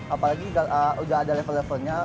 apalagi udah ada level levelnya